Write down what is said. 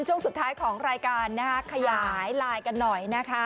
ช่วงสุดท้ายของรายการขยายรอยกันหน่อย